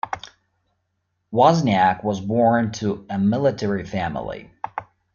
Wozniak was born to a military family.